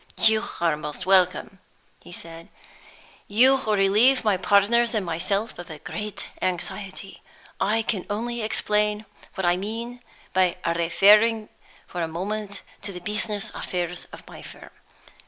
"You are most welcome," he said. "You relieve my partners and myself of a great anxiety. I can only explain what I mean by referring for a moment to the business affairs of my firm.